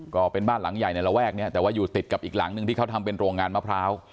ก็เป็นบ้านหลังใหญ่ในระแวกนี้แต่ว่าอยู่ติดกับอีกหลังหนึ่งที่เขาทำเป็นโรงงานมะพร้าว